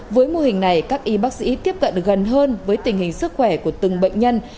với mô hình này các y bác sĩ tiếp cận gần hơn với tình hình sức khỏe của từng bệnh nhân